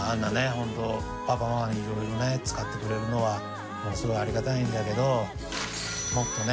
ホントパパママに色々ね使ってくれるのはすごいありがたいんだけどもっとね